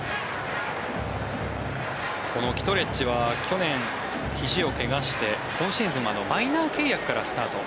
このキトレッジは去年、ひじを怪我して今シーズンはマイナー契約からスタート。